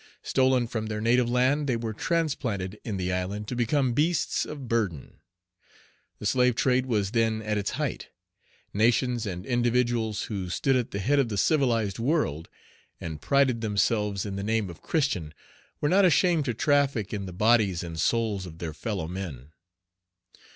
Stolen from their native land, they were transplanted in the island to become beasts of burden. The slave trade was then at its height. Nations and individuals who stood at the head of the civilized world, and prided themselves in the name of Christian, were not ashamed to traffic in the bodies and souls of their fellow men.